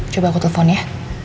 coba aku telepon ya